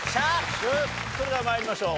それでは参りましょう。